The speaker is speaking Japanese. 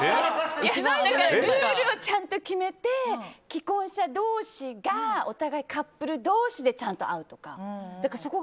ルールをちゃんと決めて既婚者同士がお互いカップル同士でちゃんと会うとか。